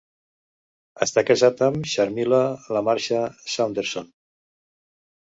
Està casat amb Sharmeela Lamarsha Saunderson.